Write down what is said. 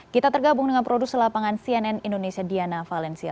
kita tergabung dengan produser lapangan cnn indonesia diana valencia